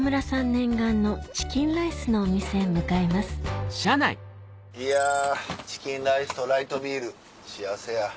念願のチキンライスのお店へ向かいますいやチキンライスとライトビール幸せや。